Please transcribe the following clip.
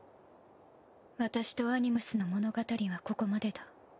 私とアニムスの物語はここまでだ。